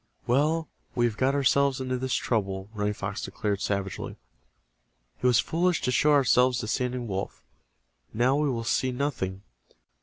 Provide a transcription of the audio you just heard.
"Well, we have got ourselves into this trouble," Running Fox declared, savagely. "It was foolish to show ourselves to Standing Wolf. Now we will see nothing.